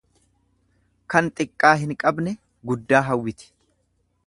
Kan xiqqaa hin qabne guddaa hawwiti.